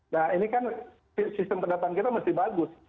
nah ini kan sistem pendapatan kita masih bagus